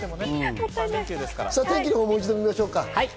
天気をもう一度見ましょうか。